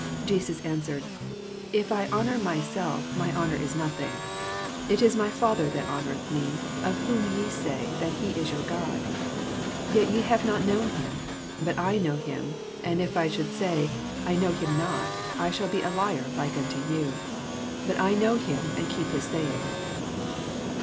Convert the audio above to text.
54 Jesus answered. If I honour my self, my honour is nothing: It is Father that honoureth me; of whom ya say, that he is your God: 55 Yet ye have not known him; but I know him: and if I should say, I know him not, I shall be a liar liko unto you : but I know him, and keep his saying.